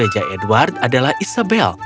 raja edward adalah isabel